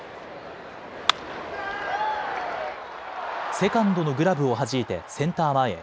セカンドのグラブをはじいてセンター前へ。